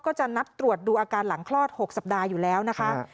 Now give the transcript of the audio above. ก็จะนัดตรวจดูอาการหลังคลอด๖สัปดาห์อยู่แล้วนะคะ